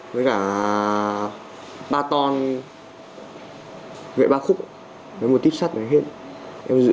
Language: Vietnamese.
với cả ba ton vệ ba khúc với một tiếp sát này hết